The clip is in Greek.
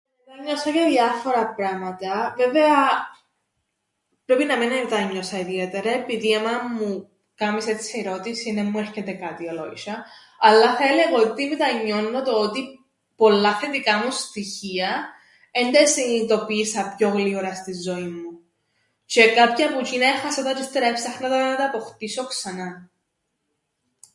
Εμετάνιωσα για διάφορα πράματα, βέβαια πρέπει να μεν εμετάνιωσα ιδιαίτερα, επειδή άμαν μου κάμεις έτσι ερώτησην εν μου έρκεται κάτι ολόισ̆ια, αλλά θα έλεα ότι μετανιώννω το ότι πολλά θετικά μου στοιχεία εν τα εσυνειδητοποίησα πιο γλήορα στην ζωήν μου τζ̆αι κάποια που τζ̆είνα έχασα τα τζ̆αι έψαχνα να τα αποχτήσω ξανά.